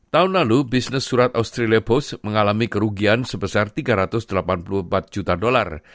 tahun lalu bisnis surat australia post mengalami kerugian sebesar tiga ratus delapan puluh empat juta dolar